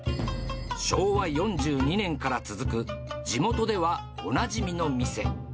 昭和４２年から続く、地元ではおなじみの店。